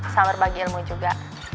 sama berbagi ilmu juga